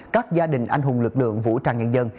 các gia đình anh hùng lực lượng vũ trang nhân dân